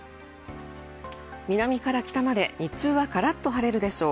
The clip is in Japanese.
南から北まで日中はカラッと晴れるでしょう。